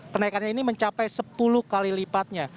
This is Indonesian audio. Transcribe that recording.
kenaikannya ini mencapai sepuluh kali lipatnya